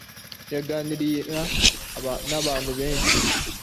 yaganiraga na bantu benshi